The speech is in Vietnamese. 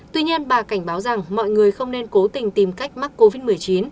tuy nhiên bà cảnh báo rằng mọi người không nên cố tình tìm cách mắc covid một mươi chín